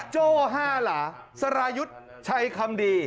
โจฮ่าหล่าสรายุทธิ์ใช้คำดี